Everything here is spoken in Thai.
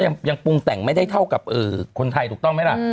ยังปรุงแต่งไม่ได้เท่ากับคนไทยถูกต้องไหมล่ะ